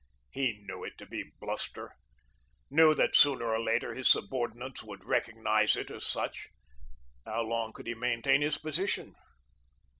He knew it to be bluster knew that sooner or later his subordinates would recognise it as such. How long could he maintain his position?